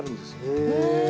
へえ。